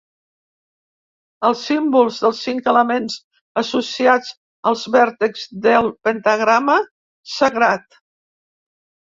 Els símbols dels cinc elements associats als vèrtexs del pentagrama sagrat.